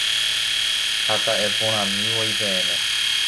Ha ta'eporãmivoi peẽme.